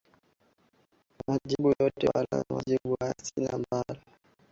majibu yote Wala majibu haya si yale ambayo